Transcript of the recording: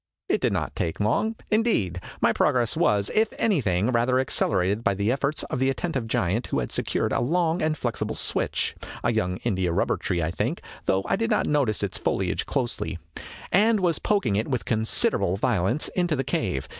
It did not take long. Indeed, my progress was, if anything, rather accelerated by the efforts of the attentive giant, who had secured a long and flexible switch, a young India rubber tree, I think, though I did not notice its foliage closely, and was poking it with consid erable violence into the cave.